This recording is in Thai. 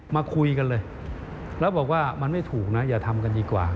มาคุยกันเลยแล้วบอกว่ามันไม่ถูกนะอย่าทำกันดีกว่า